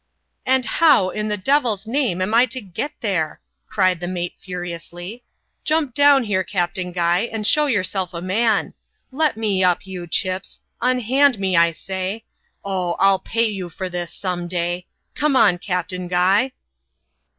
" And how, in the devil's name, am I to get there ?" cried the mate, furiously. "Jump down here. Captain Guy, and show yourself a man. Let me up, you Chips ! unhand me, I say ! Oh ! I'll pay you for this, some day ! Come on, Captain Guy!"